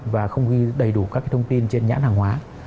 và không ghi đầy đủ các thông tin trên nhãn hàng hóa